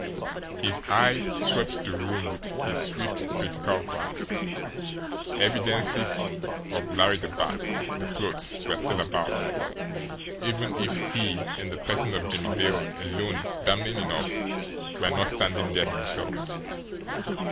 His eyes swept the room with a swift, critical glance evidences of Larry the Bat, the clothes, were still about, even if he in the person of Jimmie Dale, alone damning enough, were not standing there himself.